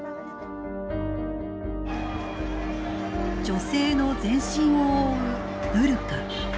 女性の全身を覆うブルカ。